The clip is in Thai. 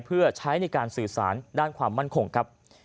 เพื่อใช้ในการสื่อสารด้านความมั่นคงครับ